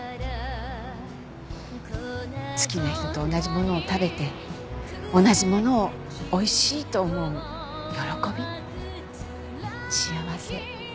好きな人と同じものを食べて同じものをおいしいと思う喜び幸せ。